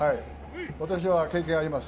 私も経験があります。